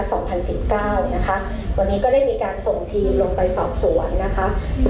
พบว่าผู้ป่วยรายนี้เนี่ยเขามีอาการนะคะเมื่อวันที่๒๙สิงหาคมนะคะ